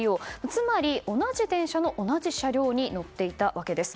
つまり、同じ電車の同じ車両に乗っていたわけです。